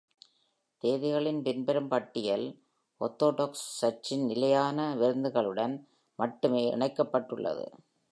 தேதிகளின் பின்வரும் பட்டியல் Orthodox சர்ச்சின் நிலையான விருந்துகளுடன் மட்டுமே இணைக்கப்பட்டு உள்ளது.